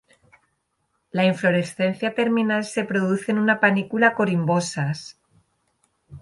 La inflorescencia terminal se produce en una panícula corimbosas.